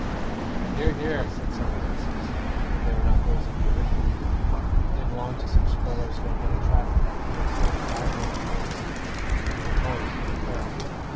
"Hear, hear," said several voices, but they were not those of the original group; they belonged to some strollers who had been attracted by Felix Holt's vibrating voice, and were Tories from the Crown.